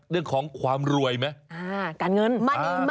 เรื่องของความรวยไหม